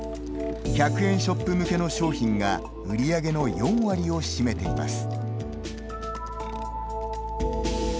１００円ショップ向けの商品が売り上げの４割を占めています。